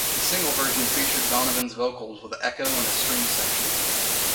The single version featured Donovan's vocals with echo and a string section.